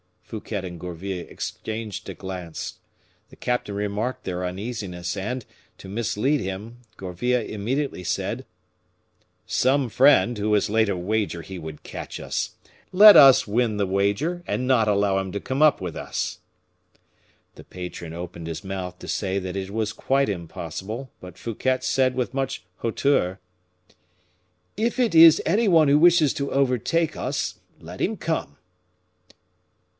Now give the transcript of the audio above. Fouquet and Gourville exchanged a glance. The captain remarked their uneasiness, and, to mislead him, Gourville immediately said: "Some friend, who has laid a wager he would catch us; let us win the wager, and not allow him to come up with us." The patron opened his mouth to say that it was quite impossible, but Fouquet said with much hauteur, "If it is any one who wishes to overtake us, let him come."